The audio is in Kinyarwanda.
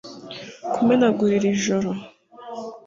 kumenagura iri joro,